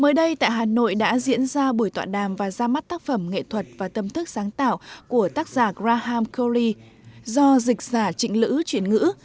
mới đây tại hà nội đã diễn ra buổi tọa đàm và ra mắt tác phẩm nghệ thuật và tâm thức sáng tạo của tác giả graham coli do dịch giả trịnh lữ chuyển ngữ